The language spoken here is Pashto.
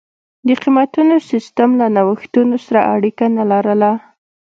د قېمتونو سیستم له نوښتونو سره اړیکه نه لرله.